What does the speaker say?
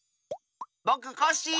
ぼくコッシー！